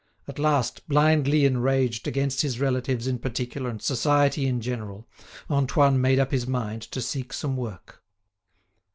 At last, blindly enraged against his relatives in particular and society in general, Antoine made up his mind to seek some work.